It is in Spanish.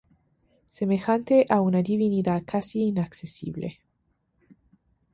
Semejante a una divinidad casi inaccesible.